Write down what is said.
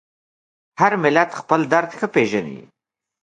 هر ملت خپل درد ښه پېژني.